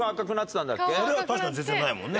確かに全然ないもんね。